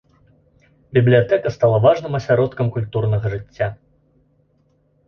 Бібліятэка стала важным асяродкам культурнага жыцця.